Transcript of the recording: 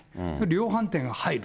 量販店が入る。